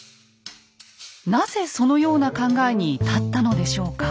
なぜそのような考えに至ったのでしょうか？